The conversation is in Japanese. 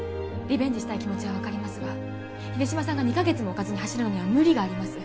リベンジしたい気持ちは分かりますが秀島さんが２カ月も置かずに走るのには無理があります